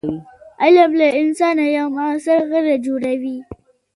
علم له انسانه یو موثر غړی جوړوي.